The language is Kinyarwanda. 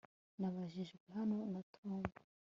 Nabajijwe hano na Tom